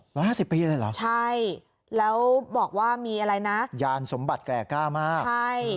ร้อยห้าสิบปีเลยเหรอใช่แล้วบอกว่ามีอะไรนะยานสมบัติแก่กล้ามากใช่